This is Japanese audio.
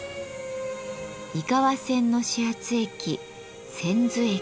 井川線の始発駅千頭駅。